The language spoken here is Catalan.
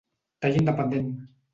Tall independent.